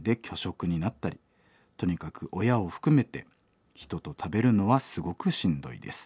とにかく親を含めて人と食べるのはすごくしんどいです。